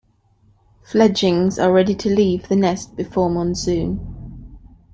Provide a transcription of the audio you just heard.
Fledgings are ready to leave the nest before monsoon.